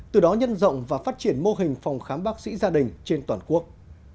từ đó nhân rộng và phát triển mô hình phòng khám bác sĩ gia đình trên toàn quốc